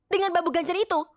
dengan babu ganjen itu